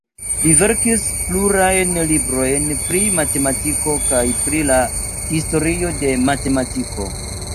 Li verkis plurajn librojn pri matematiko kaj pri la historio de matematiko.